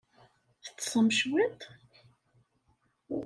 Teṭṣem cwiṭ?